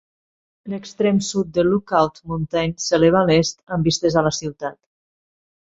L'extrem sud de Lookout Mountain s'eleva a l'est amb vistes a la ciutat.